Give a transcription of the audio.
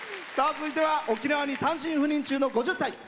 続いては沖縄に単身赴任中の５０歳。